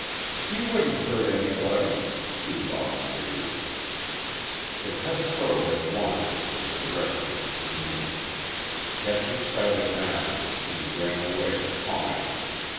"He wouldn't hurt anybody," Sue volunteered. The pet crow had wandered in the direction of the canoe. Catching sight of Master, he ran away cawing.